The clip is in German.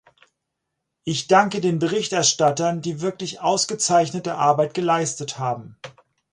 Ich danke den Berichterstattern, die wirklich ausgezeichnete Arbeit geleistet haben.